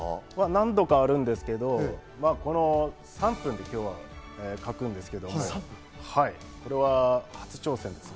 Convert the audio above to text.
何度かあるんですけど、３分で今日は描くんですけど、これは初挑戦です。